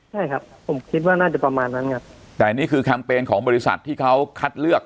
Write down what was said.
ใช่ครับผมคิดว่าน่าจะประมาณนั้นครับแต่นี่คือแคมเปญของบริษัทที่เขาคัดเลือก